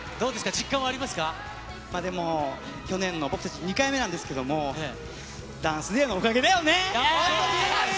実感はありますでも、去年の、僕たち２回目なんですけども、ＤＡＮＣＥＤＡＹのおかげだよね。